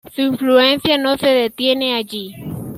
Su influencia no se detiene allí.